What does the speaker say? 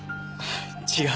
違う。